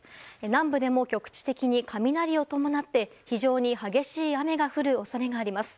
南部でも局地的に雷を伴って非常に激しい雨が降る恐れがあります。